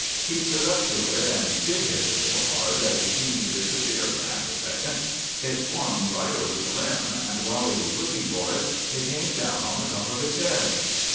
He stood up to it, and he did hit it so hard that it seemed to disappear for half a second. It swung right over the limb; and, while he was looking for it, it came down on the top of his head.